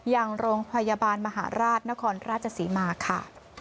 อย่างโรงพยาบาลมหาราชนครราชศรีมาค่ะ